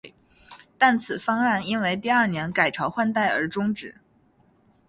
但此方案因为第二年改朝换代而中止。